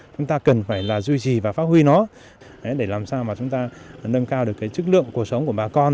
chúng ta cần phải là duy trì và phát huy nó để làm sao mà chúng ta nâng cao được cái chất lượng cuộc sống của bà con